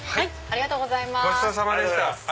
ありがとうございます。